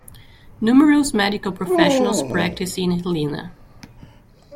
Numerous medical professionals practice in Helena.